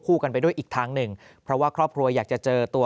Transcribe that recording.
กันไปด้วยอีกทางหนึ่งเพราะว่าครอบครัวอยากจะเจอตัว